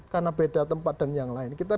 karena beda tempat dan yang lain kita